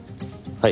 はい。